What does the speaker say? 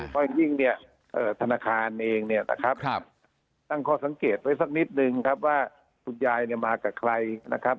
เพราะอย่างยิ่งเนี่ยธนาคารเองเนี่ยนะครับตั้งข้อสังเกตไว้สักนิดนึงครับว่าคุณยายเนี่ยมากับใครนะครับ